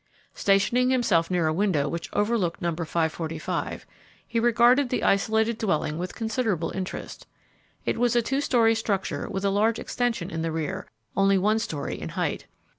Stationing himself near a window which overlooked No. 545, he regarded the isolated dwelling with considerable interest. It was a two story structure with a long extension in the rear, only one story in height.